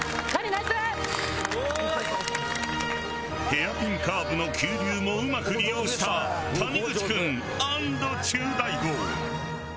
ヘアピンカーブの急流もうまく利用した谷口君＆中大号！